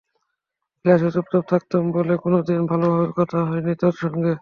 ক্লাসে চুপচাপ থাকতাম বলে কোনো দিন ভালোভাবে কথা হয়নি তোর সঙ্গে।